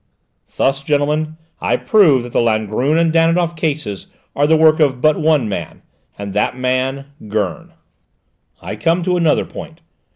"Thus, gentlemen, I prove that the Langrune and Danidoff cases are the work of but one man, and that man, Gurn. "I come to another point.